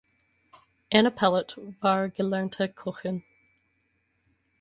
Anna Pellet war gelernte Köchin.